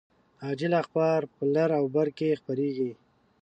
عاجل اخبار په لر او بر کې خپریږي